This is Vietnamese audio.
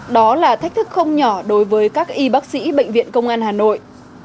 đó là thách thức không nhỏ đối với các y bác sĩ bệnh viện công an hà nội